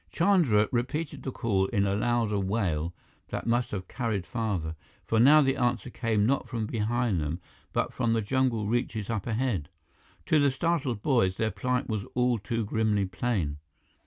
Chandra repeated the call in a louder wail that must have carried farther, for now the answer came, not from behind them, but from the jungle reaches up ahead. To the startled boys, their plight was all too grimly plain.